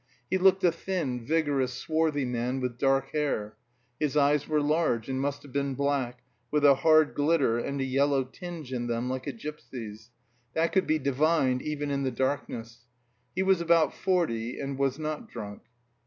He looked a thin, vigorous, swarthy man with dark hair; his eyes were large and must have been black, with a hard glitter and a yellow tinge in them, like a gipsy's; that could be divined even in the darkness. He was about forty, and was not drunk.